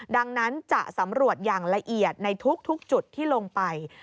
ดังนั้นจะสำรวจอย่างละเอียดในทุกจุดที่ลงไป